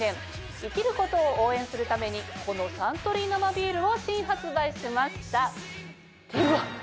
生きることを応援するためにこの「サントリー生ビール」を新発売しました。